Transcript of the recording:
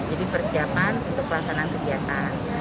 jadi persiapan untuk pelaksanaan kegiatan